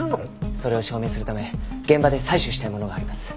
それを証明するため現場で採取したいものがあります。